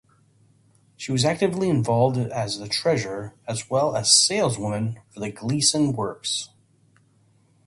She was actively involved as the treasurer as well as saleswoman for Gleason Works.